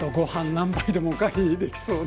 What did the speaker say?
何杯でもお代わりできそうな。